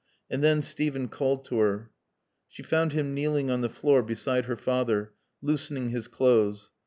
And then Steven called to her. She found him kneeling on the floor beside her father, loosening his clothes.